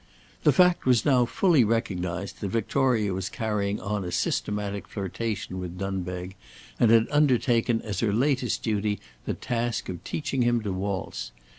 The fact was now fully recognized that Victoria was carrying on a systematic flirtation with Dunbeg, and had undertaken as her latest duty the task of teaching him to waltz.